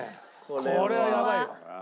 これはやばいわ。